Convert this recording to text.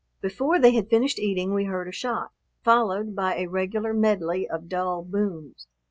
Before they had finished eating we heard a shot, followed by a regular medley of dull booms.